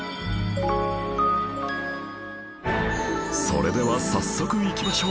それでは早速いきましょう